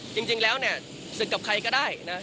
จริงแล้วเนี่ยศึกกับใครก็ได้นะ